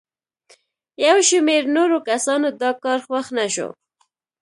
یو شمېر نورو کسانو دا کار خوښ نه شو.